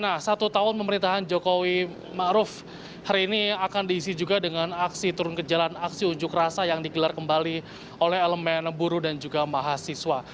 nah satu tahun pemerintahan jokowi ⁇ maruf ⁇ hari ini akan diisi juga dengan aksi turun ke jalan aksi unjuk rasa yang digelar kembali oleh elemen buruh dan juga mahasiswa